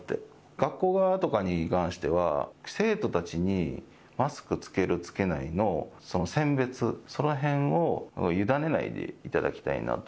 学校側とかに関しては、生徒たちにマスクつける、つけないのその選別、そのへんを委ねないでいただきたいなと。